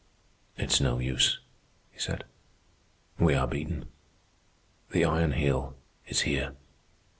"It's no use," he said. "We are beaten. The Iron Heel is here.